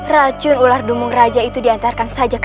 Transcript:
racun ular dumung raja itu diantarkan saja ke